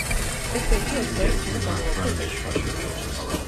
ესე იგი, ოცდაექვსს უნდა გამოვაკლოთ ექვსი.